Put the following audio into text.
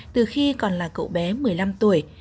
từ khi còn là cậu bé một mươi năm tuổi